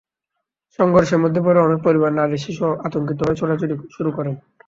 সংঘর্ষের মধ্যে পড়ে অনেক পরিবার, নারী, শিশু আতঙ্কিত হয়ে ছোটাছুটি শুরু করেন।